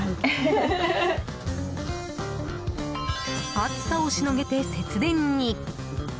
暑さをしのげて節電に！